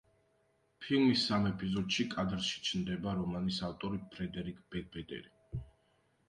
ფილმის სამ ეპიზოდში კადრში ჩნდება რომანის ავტორი ფრედერიკ ბეგბედერი.